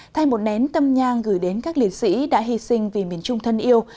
thay một nén tâm nhang gửi đến các liệt sĩ đã hy sinh vì miền trung thân yêu